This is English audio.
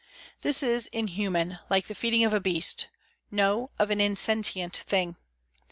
This is inhuman, like the feeding of a beast no, of an insentient thing.